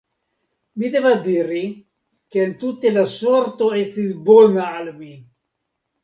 Mi devas diri, ke entute la sorto estis bona al mi.